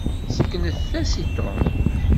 Seknet-as-t i Tom.